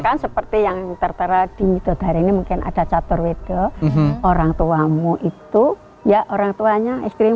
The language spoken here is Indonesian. kan seperti yang tertera di mitodari ini mungkin ada caturwit ke orang tuamu itu ya orang tuanya istrimu